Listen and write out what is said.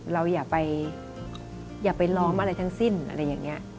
เราอย่าไปล้อมอะไรทั้งสิ้น